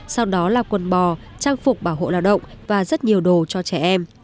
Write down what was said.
sau đó là quần bò trang phục bảo hộ lao động và rất nhiều đồ cho trẻ em